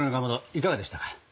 いかがでしたか？